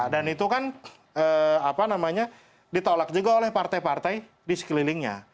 dan itu kan apa namanya ditolak juga oleh partai partai di sekelilingnya